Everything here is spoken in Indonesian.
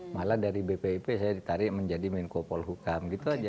malah dari bpip saya ditarik menjadi menko polhukam gitu aja